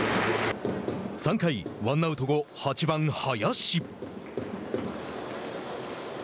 ３回、ワンアウト後、８番、林。